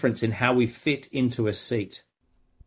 dan semua hal ini membuat perbedaan dalam cara kita berpapuran